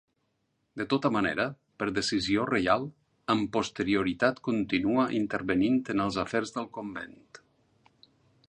De tota manera, per decisió reial, amb posterioritat continua intervenint en els afers del convent.